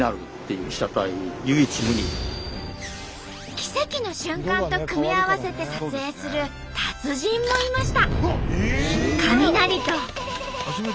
奇跡の瞬間と組み合わせて撮影する達人もいました。